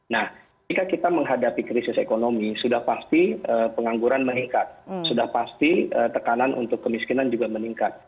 nah jika kita menghadapi krisis ekonomi sudah pasti pengangguran meningkat sudah pasti tekanan untuk kemiskinan juga meningkat